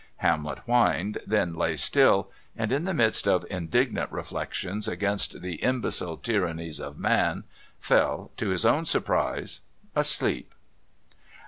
Hamlet whined, then lay still, and, in the midst of indignant reflections against the imbecile tyrannies of man, fell, to his own surprise, asleep.